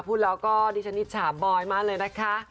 พูดแล้วก็ดิฉันอิจฉาบอยมากเลยนะคะ